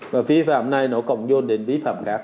và vi phạm này nó cộng dồn đến vi phạm khác